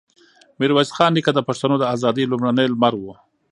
ميرويس خان نیکه د پښتنو د ازادۍ لومړنی لمر و.